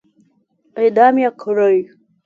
اعدام يې کړئ!